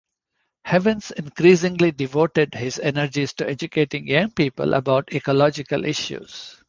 Havens increasingly devoted his energies to educating young people about ecological issues.